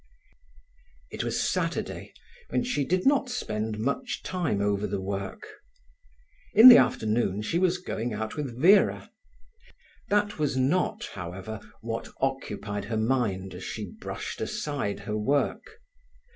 It was Saturday, when she did not spend much time over the work. In the afternoon she was going out with Vera. That was not, however, what occupied her mind as she brushed aside her work.